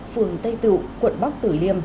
phường tây tựu quận bắc tử liêm